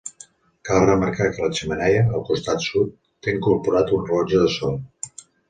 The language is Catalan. Cal remarcar que la xemeneia, al costat sud, té incorporat un rellotge de sol.